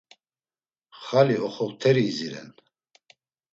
Xali oxokteri idziren.